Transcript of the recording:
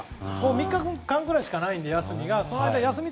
３日間ぐらいしかないので休みが。